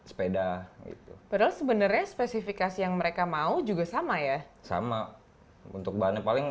sepeda itu padahal sebenarnya spesifikasi yang mereka mau juga sama ya sama untuk bahan paling